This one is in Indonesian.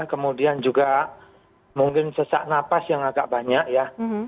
kemudian juga mungkin sesak nafas yang agak banyak ya